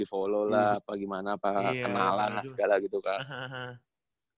follow lah apa gimana apa kenalan segala gitu kak